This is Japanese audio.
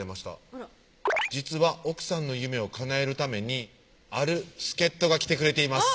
あら「実は奥さんの夢を叶えるためにある助っ人が来てくれています」